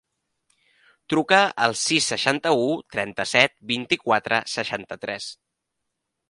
Truca al sis, seixanta-u, trenta-set, vint-i-quatre, seixanta-tres.